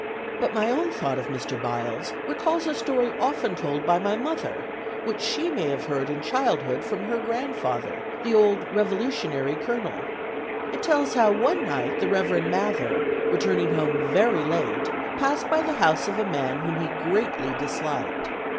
But my own thought of Mr. Byles recalls a story often told by my mother, which she may have heard in childhood from her grandfather, the old Revolutionary Colonel. It tells how one night the Reverend Mather, returning home very late, passed by the house of a man whom he greatly disliked.